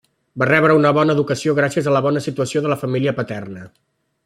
Va rebre una bona educació gràcies a la bona situació de la família paterna.